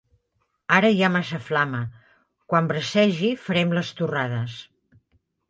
Ara hi ha massa flama: quan brasegi, farem les torrades.